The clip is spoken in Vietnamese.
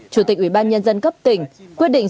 chủ tịch ubnd cấp tỉnh quyết định